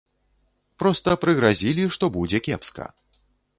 Проста прыгразілі, што будзе кепска.